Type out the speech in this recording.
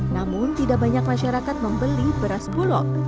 namun tidak banyak masyarakat membeli beras bulog